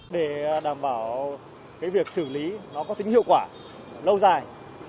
để đảm bảo việc xử lý nó có tính hiệu quả lâu dài